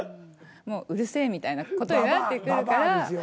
もううるせぇみたいな事になってくるから。